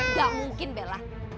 gak mungkin bella